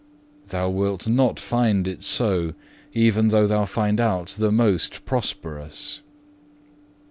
Thou wilt not find it so, even though thou find out the most prosperous.